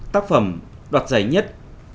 tác phẩm đoạt giải nhất